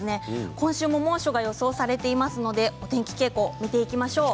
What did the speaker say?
今週も猛暑が予想されていますのでお天気傾向を見ていきます。